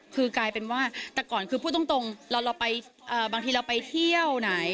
คือกลายเป็นว่าแต่ก่อนคือพูดตรงบางทีเราไปเที่ยวไหน